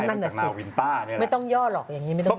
นั่นแหละสินาวินต้าเนี้ยแหละไม่ต้องย่อหรอกอย่างงี้ไม่ต้องย่อ